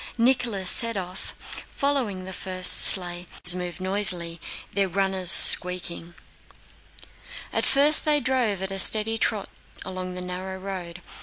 Nicholas set off, following the first sleigh; behind him the others moved noisily, their runners squeaking. At first they drove at a steady trot along the narrow road.